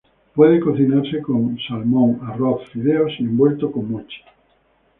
Puede cocinarse con salmón, arroz, fideos y envuelto con mochi.